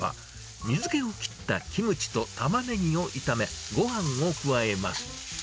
水けを切ったキムチとタマネギを炒め、ごはんを加えます。